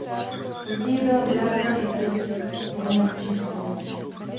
Později byla vyráběna i verze s pohonem všech kol.